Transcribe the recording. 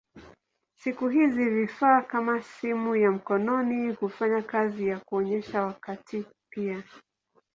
Siku hizi vifaa kama simu ya mkononi hufanya kazi ya kuonyesha wakati pia.